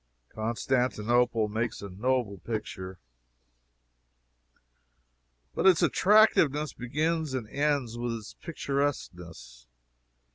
Constantinople makes a noble picture. But its attractiveness begins and ends with its picturesqueness.